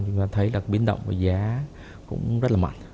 chúng ta thấy biến động giá cũng rất là mạnh